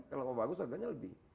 kalau bagus harganya lebih